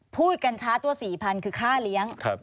พูดกันช้าตัว๔๐๐๐คือค่าเลี้ยง